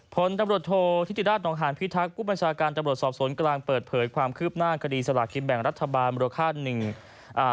ผลตำรวจโทษธิติราชนองหานพิทักษ์ผู้บัญชาการตำรวจสอบสวนกลางเปิดเผยความคืบหน้าคดีสลากินแบ่งรัฐบาลมูลค่าหนึ่งอ่า